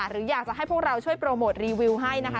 หรืออยากจะให้พวกเราช่วยโปรโมทรีวิวให้นะคะ